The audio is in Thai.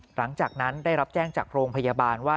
หลังจากนั้นได้รับแจ้งจากโรงพยาบาลว่า